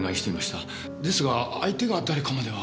ですが相手が誰かまでは。